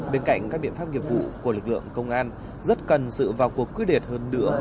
bên cạnh các biện pháp nghiệp vụ của lực lượng công an rất cần sự vào cuộc quyết đẹp hơn nữa